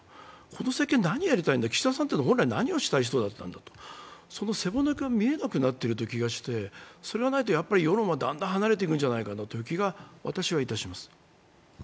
この先何をやりたいのか、岸田さんは何をやりたいのか、その背骨が見えなくなってきている気がしてそれがないと世論はだんだん離れていくんじゃないかなと言う気が私はいたします。